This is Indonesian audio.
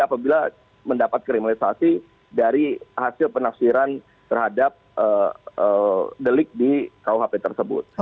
apabila mendapat kriminalisasi dari hasil penafsiran terhadap delik di kuhp tersebut